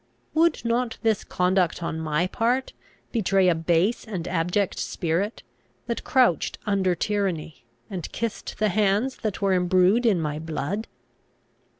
Would not this conduct on my part betray a base and abject spirit, that crouched under tyranny, and kissed the hands that were imbrued in my blood?